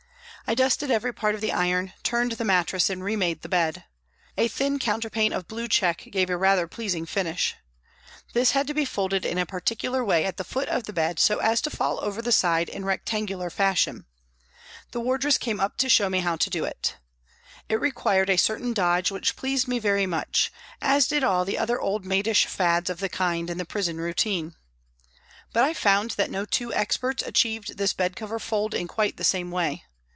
I dusted every part of the iron, turned the mattresses and re made the bed. A thin counterpane of blue check gave a rather pleasing finish. This had to be folded in a particular way at the foot of the bed so as to fall over the side in rectangular fashion. The wardress came up to show me how to do it. It required a certain dodge which pleased me very much, as did all the other old maidish fads of the kind in the prison routine. But I found that no two experts achieved this bed cover fold in quite the same way.